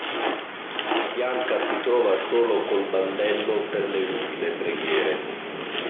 Bianca si trova sola col Bandello per le ultime preghiere.